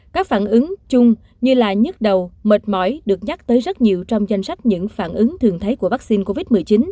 các phản ứng chung như là nhức đầu mệt mỏi được nhắc tới rất nhiều trong danh sách những phản ứng thường thấy của vaccine covid một mươi chín